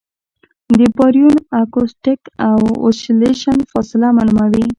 د باریون اکوسټک اوسیلیشن فاصله معلوموي.